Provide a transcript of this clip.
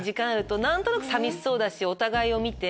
何となく寂しそうだしお互いを見て。